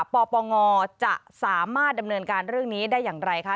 ปปงจะสามารถดำเนินการเรื่องนี้ได้อย่างไรคะ